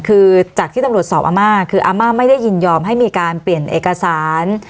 คือจากที่ตำรวจสอบอาม่าคืออาม่าไม่ได้ยินยอมให้มีการเปลี่ยนเอกสาร